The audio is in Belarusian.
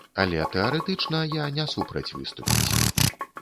Але тэарэтычна я не супраць выступіць.